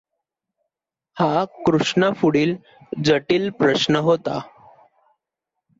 हा कृष्णापुढील जटिल प्रष्न होता.